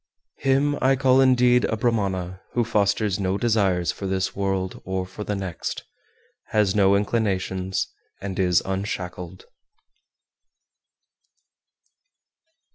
410. Him I call indeed a Brahmana who fosters no desires for this world or for the next, has no inclinations, and is unshackled.